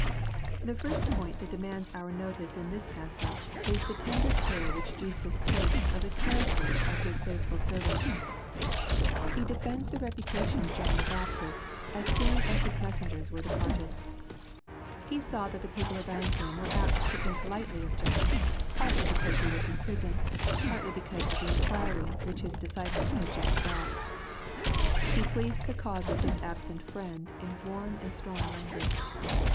The first point that demands our notice in this passage, is the tended' care which Jesus takes of the characters of His faUihfvi servants. He defends the reputation of John the LUKE, CHAP. VII. 221 Baptist, as soon as his messengers were departed. He saw that the people around him were apt to think lightly of John, partly because he was in prison, partly because of the inquiry which his disciples had just brought. He pleads the cause of His absent friend in warm and strong language.